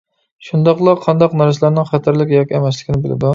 شۇنداقلا قانداق نەرسىلەرنىڭ خەتەرلىك ياكى ئەمەسلىكىنى بىلىدۇ.